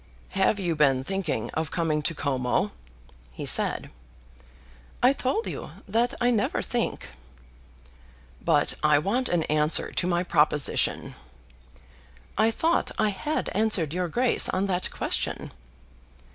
"Have you been thinking of coming to Como?" he said. "I told you that I never think." "But I want an answer to my proposition." "I thought I had answered your Grace on that question."